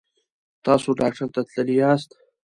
تاسو ډاکټر ته تللي یاست؟